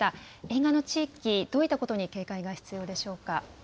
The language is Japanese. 現場の地域、どういったことに警戒が必要でしょうか。